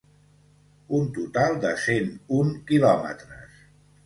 Un total de cent un quilòmetres.